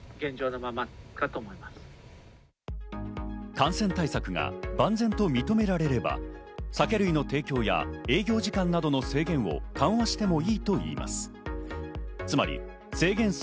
感染対策が万全と認められれば酒類の提供や営業時間などの制限を緩和してもいいといいます。